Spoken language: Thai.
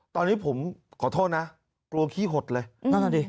ตอนนี้ผมขอโทษนะกลัวขี้หดเลย